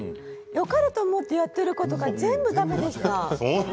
よかれと思ってやっていたことが全部だめでした。